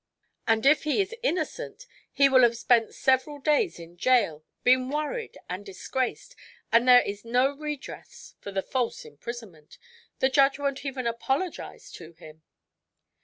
"And if he is innocent, he will have spent several days in jail, been worried and disgraced, and there is no redress for the false imprisonment. The judge won't even apologize to him!"